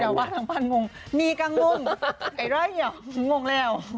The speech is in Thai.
ครับตอบบ้านงงนี่ก็งงไอว้ยงงแล้ว